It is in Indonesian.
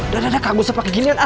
dada kagak usah pakai ginian